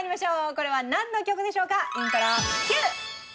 これはなんの曲でしょうか？